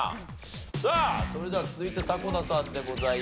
さあそれでは続いて迫田さんでございます。